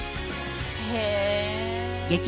へえ。